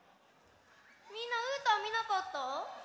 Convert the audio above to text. みんなうーたんみなかった？